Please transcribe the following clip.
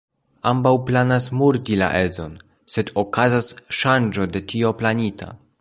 Ambaŭ planas murdi la edzon, sed okazas ŝanĝo de tio planita.